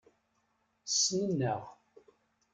Ssnen-aɣ.